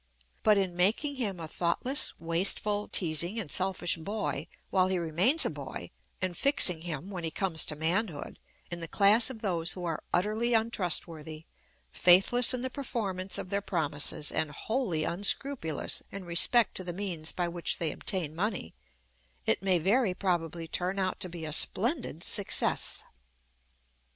But in making him a thoughtless, wasteful, teasing, and selfish boy while he remains a boy, and fixing him, when he comes to manhood, in the class of those who are utterly untrustworthy, faithless in the performance of their promises, and wholly unscrupulous in respect to the means by which they obtain money, it may very probably turn out to be a splendid success.